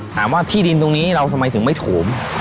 ถามว่าที่ดินตรงนี้เราทำไมถึงไม่โถม